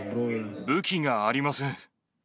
武器がありません。